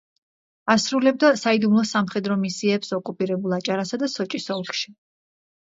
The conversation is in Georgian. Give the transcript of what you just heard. ასრულებდა საიდუმლო სამხედრო მისიებს ოკუპირებულ აჭარასა და სოჭის ოლქში.